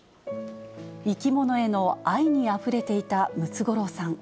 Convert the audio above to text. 生き物への愛にあふれていたムツゴロウさん。